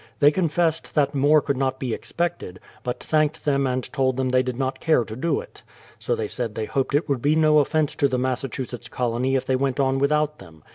They confessed that more could not be expected, but thanked them and told them they did not care to do it. So they said they hoped it would be no offence to the Massachusetts colony if they went on with out them.